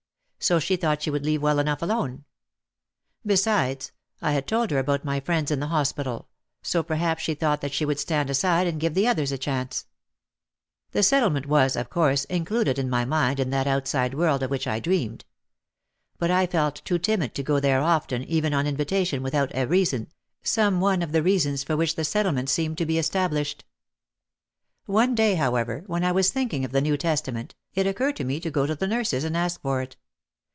So she thought she would leave well enough alone. Besides, I had told her about my friends in the hospital, so perhaps she thought that she would stand aside and give the others a chance. The Settlement was, of course, included in my mind in that outside world of which I dreamed. But I felt too timid to go there often even on invitation without a "reason," some one of the reasons for which the Set tlement seemed to be established. One day, however, when I was thinking of the New Testament, it occurred to me to go to the nurses and ask for it.